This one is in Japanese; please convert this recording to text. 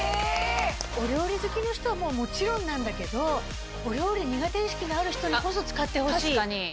お料理好きの人はもちろんなんだけどお料理苦手意識のある人にこそ使ってほしい。